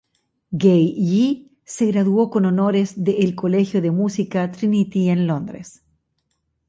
Gay-Yee se graduó con honores de El Colegio de Música Trinity en Londres.